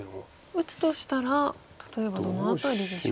打つとしたら例えばどの辺りでしょう？